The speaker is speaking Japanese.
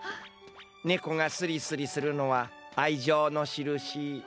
ねこがスリスリするのはあいじょうのしるし。